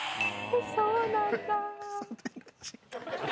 そうなんだ。